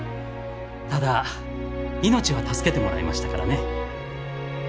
ただ命は助けてもらいましたからね。